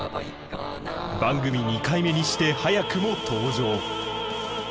番組２回目にして早くも登場！